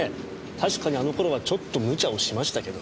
確かにあの頃はちょっと無茶をしましたけど。